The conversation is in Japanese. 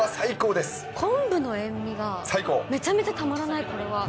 昆布の塩味がめちゃめちゃたまらない、これは。